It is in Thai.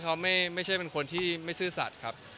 เขาไม่ใช่เป็นคนที่ไม่ซื่อสัตว์ครับ